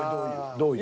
どういう？